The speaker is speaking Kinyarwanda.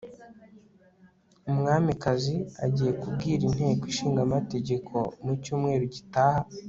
umwamikazi agiye kubwira inteko ishinga amategeko mu cyumweru gitaha